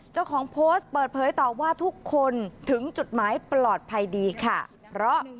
เจ้าของโพสต์เปิดเผยต่อว่าทุกคนถึงจุดหมายปลอดภัยดีค่ะเพราะ